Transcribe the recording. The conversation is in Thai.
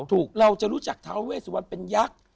ถูกเราจะรู้จักเธอวิสิวัญเป็นยักษ์